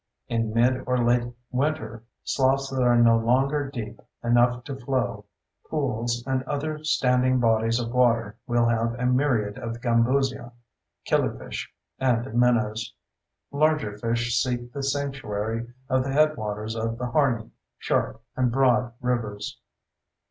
In mid or late winter, sloughs that are no longer deep enough to flow, pools, and other standing bodies of water will have a myriad of gambusia, killifish, and minnows. Larger fish seek the sanctuary of the headwaters of the Harney, Shark, and Broad Rivers.